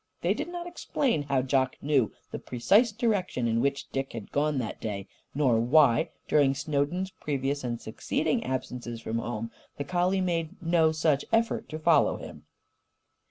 They did not explain how Jock knew the precise direction in which Dick had gone that day, nor why, during Snowden's previous and succeeding absences from home, the collie made no such effort to follow him.